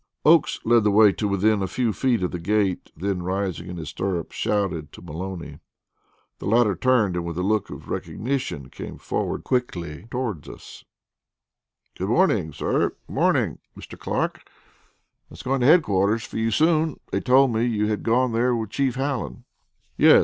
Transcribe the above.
Oakes led the way to within a few feet of the gate, then rising in his stirrups shouted to Maloney. The latter turned, and with a look of recognition came quickly toward us. "Good morning, sir; good morning, Mr. Clark. I was going to headquarters for you soon, sir; they told me you had gone there with Chief Hallen " "Yes!